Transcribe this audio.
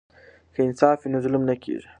که انصاف وي نو ظلم نه کیږي.